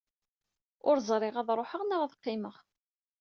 Ur ẓriɣ ad ruḥeɣ neɣ ad qqimeɣ.